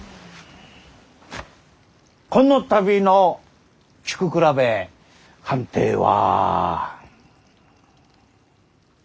この度の菊比べ判定は。